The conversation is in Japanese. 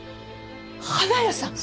花屋さん？